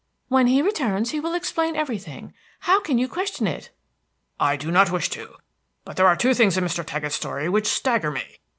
"When he returns he will explain everything. How can you question it?" "I do not wish to; but there are two things in Mr. Taggett's story which stagger me.